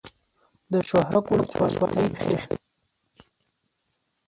د شهرک ولسوالۍ تاریخي ده